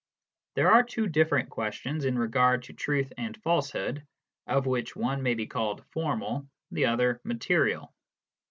There are two different questions in regard to truth and falsehood, of which one may be called formal, the other material.